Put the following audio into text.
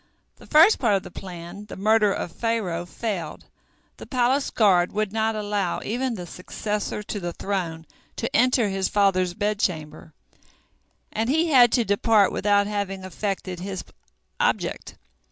The first part of the plan, the murder of Pharaoh, failed. The palace guard would not allow even the successor to the throne to enter his father's bedchamber, and he had to depart without having effected his object.